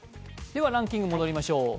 ランキングに戻りましょう。